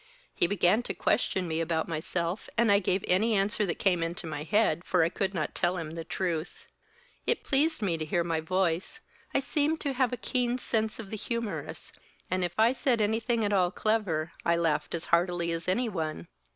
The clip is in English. He began to question me about myself and I gave any answer that came into my head, for I could not tell him the truth. It pleased me to hear my voice, I seemed to have a keen sense of the humorous, and if I said anything at all clever, I laughed as heartily as anyone.